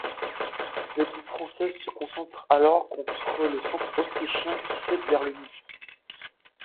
Les troupes françaises se concentrent alors contre le centre autrichien qui cède vers midi.